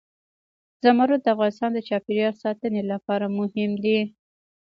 زمرد د افغانستان د چاپیریال ساتنې لپاره مهم دي.